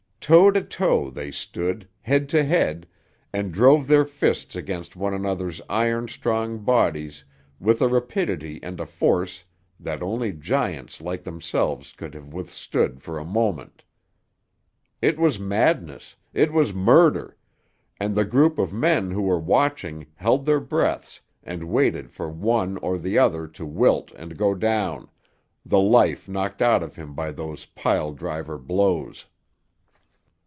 Toe to toe they stood, head to head, and drove their fists against one another's iron strong bodies with a rapidity and a force that only giants like themselves could have withstood for a moment. It was madness, it was murder, and the group of men who were watching held their breaths and waited for one or the other to wilt and go down, the life knocked out of him by those pile driver blows.